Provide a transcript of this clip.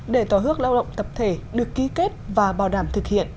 để tỏa ước lao động tập thể được ký kết và bảo đảm thực hiện